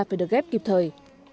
phải được ghép kịp thời